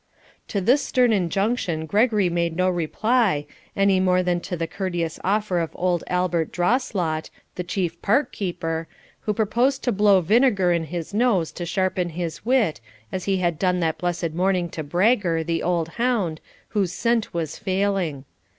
To this stern injunction Gregory made no reply, any more than to the courteous offer of old Albert Drawslot, the chief parkkeeper, who proposed to blow vinegar in his nose to sharpen his wit, as he had done that blessed morning to Bragger, the old hound, whose scent was failing.